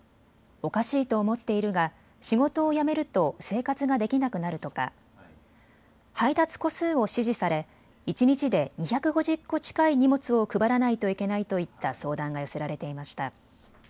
おかしいと思っているが仕事を辞めると生活ができなくなるとか配達個数を指示され一日で２５０個近い荷物を配らないといけないといった相談が寄せられていました。